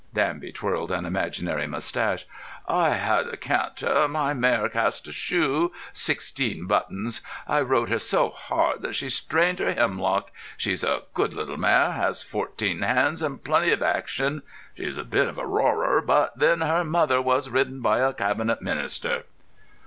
Danby twirled an imaginary moustache. "I had a canter. My mare cast a shoe—sixteen buttons. I rode her so hard that she strained her hemlock. She's a good little mare. Has fourteen hands, and plenty of action. She's a bit of a roarer, but then her mother was ridden by a Cabinet Minister."